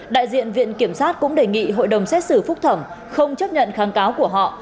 đại diện viện kiểm sát cũng đề nghị hội đồng xét xử phúc thẩm không chấp nhận kháng cáo của họ